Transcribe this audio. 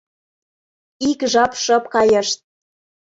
Ик жап шып кайышт.